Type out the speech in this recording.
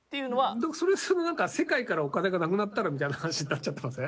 でも、それ何か世界からお金がなくなったらみたいな話になっちゃってません？